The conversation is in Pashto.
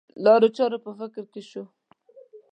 لارو چارو په فکر کې شو.